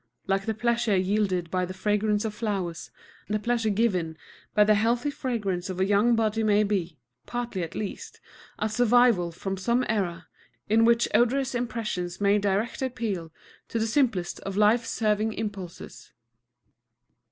Like the pleasure yielded by the fragrance of flowers, the pleasure given by the healthy fragrance of a young body may be, partly at least, a survival from some era in which odorous impressions made direct appeal to the simplest of life serving impulses.